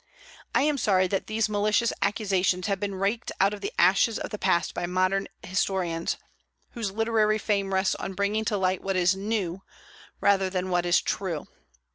I am sorry that these malicious accusations have been raked out of the ashes of the past by modern historians, whose literary fame rests on bringing to light what is new rather than what is true.